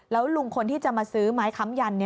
แล้วลุงคนที่จะมาซื้อไม้ค้ำยัน